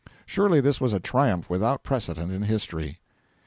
Surely this was a triumph without precedent in history.